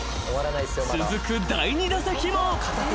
［続く第２打席も］